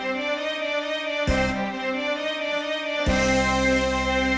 เสียงด้วยกิจกรรม